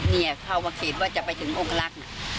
เนี่ยเขามาเขตว่าจะไปถึงองค์กระรักษ์นะ